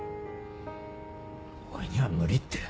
おいには無理って